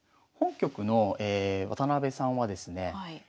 本局の渡部さんはですね